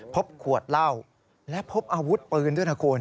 พบขวดเหล้าและพบอาวุธปืนด้วยนะคุณ